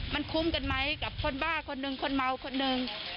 มันคุ้มกันไหมกับคนบ้าคนหนึ่งคนเมาคนหนึ่ง